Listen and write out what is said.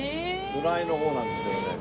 フライの方なんですけどね。